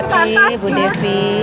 terima kasih ibu devi